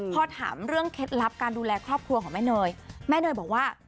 พอถามเรื่องเคล็ดลับการดูแลครอบครัวของแม่เนยแม่เนยบอกว่า